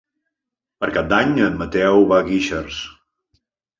Per Cap d'Any en Mateu va a Guixers.